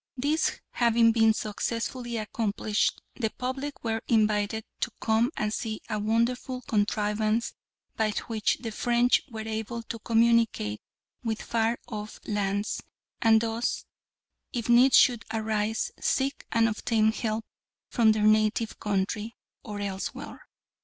This having been successfully accomplished, the public were invited to come and see a wonderful contrivance by which the French were able to communicate with far off lands, and thus, if need should arise, seek and obtain help from their native country or elsewhere.